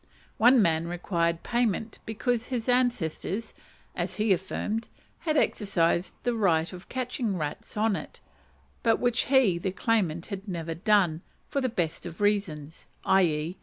One man required payment because his ancestors, as he affirmed, had exercised the right of catching rats on it; but which he (the claimant) had never done, for the best of reasons, _i.e.